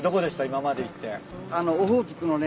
今まで行って。